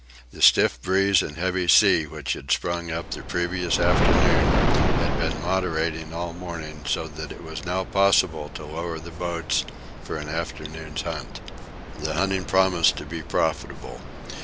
The stiff breeze and heavy sea which had sprung up the previous afternoon had been moderating all morning, so that it was now possible to lower the boats for an afternoon's hunt. The hunting promised to be profitable.